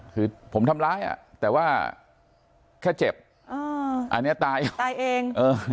คือผมทำร้ายแต่ว่าแค่เจ็บอันนี้ตายเองตายเอง